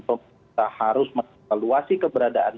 pemerintah harus meluasi keberadaan